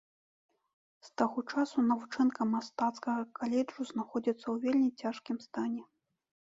З таго часу навучэнка мастацкага каледжу знаходзіцца ў вельмі цяжкім стане.